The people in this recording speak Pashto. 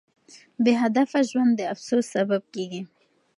بې هدفه ژوند د افسوس سبب کیږي.